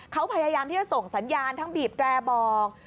เขาพยายามที่จะส่งสัญญาณทั้งบีบแตรบอก